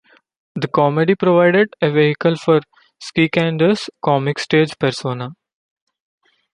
The comedy provided a vehicle for Schikaneder's comic stage persona.